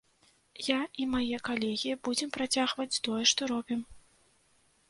Я і мае калегі будзем працягваць тое, што робім.